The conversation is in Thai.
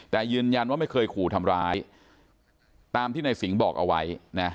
แต่ยืนยันว่าไม่เคยขู่ทำร้ายตามที่ในสิงห์บอกเอาไว้นะ